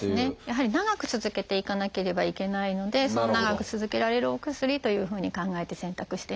やはり長く続けていかなければいけないので長く続けられるお薬というふうに考えて選択しています。